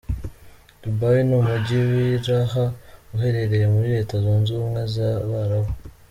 Dubai ni umugi w’ iraha, uherereye muri Leta zunze Ubumwe z’ Abarabu.